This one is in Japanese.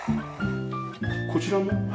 こちらは？